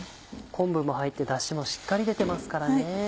昆布も入ってダシもしっかり出てますからね。